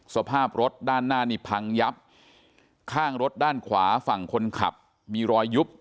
สภาพรถด้านหน้านี่พังยับข้างรถด้านขวาฝั่งคนขับมีรอยยุบ